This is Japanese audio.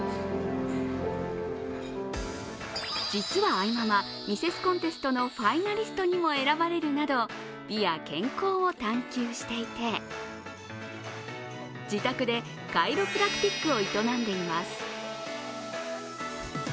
実は愛ママ、ミセスコンテストのファイナリストにも選ばれるなど美や健康を探求していて自宅でカイロプラクティックを営んでいます。